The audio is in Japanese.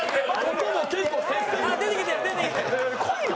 こいよ！